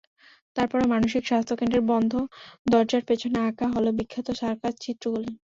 তারপরও মানসিক স্বাস্থ্যকেন্দ্রের বন্ধ দরজার পেছনে আঁকা হলো বিখ্যাত সার্কাস চিত্রগুলো।